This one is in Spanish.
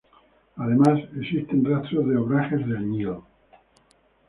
Además existen rastros de obrajes de añil.